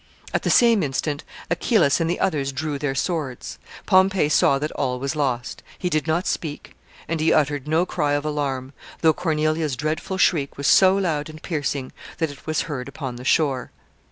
At the same instant Achillas and the others drew their swords. Pompey saw that all was lost. He did not speak, and he uttered no cry of alarm, though Cornelia's dreadful shriek was so loud and piercing that it was heard upon the shore.